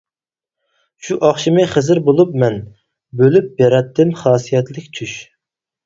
شۇ ئاخشىمى خىزىر بولۇپ مەن، بۆلۈپ بېرەتتىم خاسىيەتلىك چۈش.